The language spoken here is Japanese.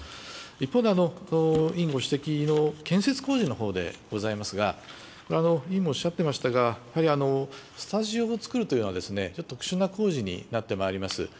一方で、委員ご指摘の建設工事のほうでございますが、これ、委員もおっしゃってましたが、やはりスタジオを作るというのは、ちょっと特殊な工事になってまいります。